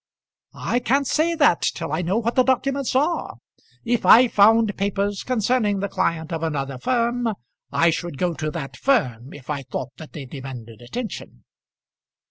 "I can't say that till I know what the documents are. If I found papers concerning the client of another firm, I should go to that firm if I thought that they demanded attention."